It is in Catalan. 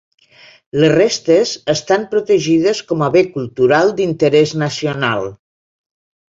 Les restes estan protegides com a bé cultural d'interès nacional.